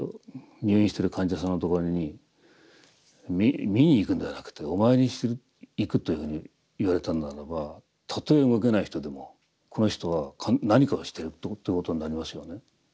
入院してる患者さんのところに「診にいく」のではなくて「お参りに行く」というふうに言われたんならばたとえ動けない人でもこの人は何かをしてるということになりますよね。